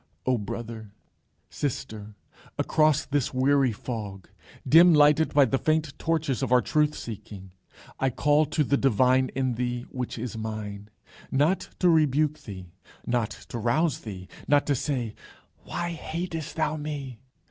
O brother, sister, across this weary fog, dim lighted by the faint torches of our truth seeking, I call to the divine in thee, which is mine, not to rebuke thee, not to rouse thee, not to say "Why hatest thou me?"